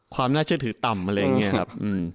ความน่าเชื่อถือต่ำอะไรอย่างนี้ครับ